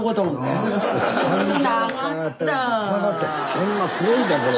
そんなすごいなこれ。